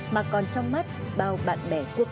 mà còn trong mắt bao bạn bè quốc tế